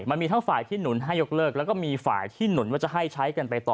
มันมีทั้งฝ่ายที่หนุนให้ยกเลิกแล้วก็มีฝ่ายที่หนุนว่าจะให้ใช้กันไปต่อ